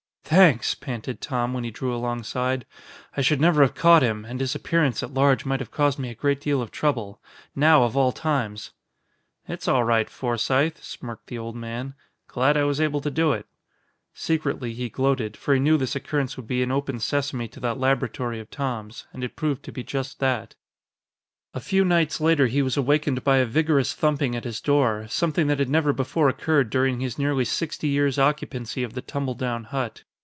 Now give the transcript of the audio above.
"Thanks," panted Tom, when he drew alongside. "I should never have caught him, and his appearance at large might have caused me a great deal of trouble now of all times." "It's all right, Forsythe," smirked the old man. "Glad I was able to do it." Secretly he gloated, for he knew this occurrence would be an open sesame to that laboratory of Tom's. And it proved to be just that. A few nights later he was awakened by a vigorous thumping at his door, something that had never before occurred during his nearly sixty years occupancy of the tumbledown hut.